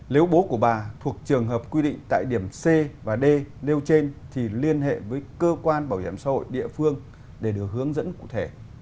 nếu bố của bà thuộc trường hợp quy định tại điểm c và d nêu trên thì liên hệ với cơ quan bảo hiểm xã hội địa phương để được hướng dẫn cụ thể